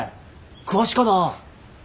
詳しかな。